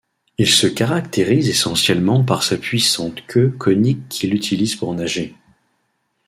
Il se caractérise essentiellement par sa puissante queue conique qu'il utilise pour nager.